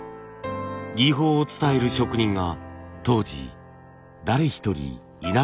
技法を伝える職人が当時誰一人いなかったからです。